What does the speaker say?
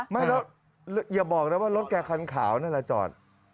ไม่แล้วอย่าบอกนะว่ารถแกคันขาวนั่นแหละจอด